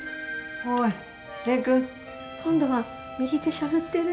おい蓮くん！今度は右手しゃぶってる。